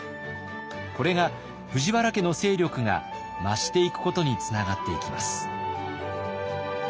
これが藤原家の勢力が増していくことにつながっていきます。